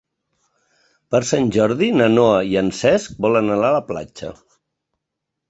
Per Sant Jordi na Noa i en Cesc volen anar a la platja.